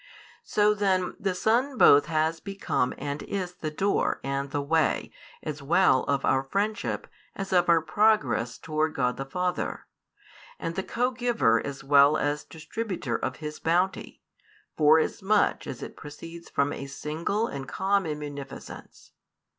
So then the Son both has become and is the Door and the Way as well of our friendship as of our progress towards God the Father, and the Co Giver as well as Distributer of His bounty, forasmuch as it proceeds from a single and common munificence.